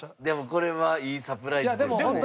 でもこれはいいサプライズでしたね。